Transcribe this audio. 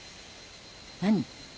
何？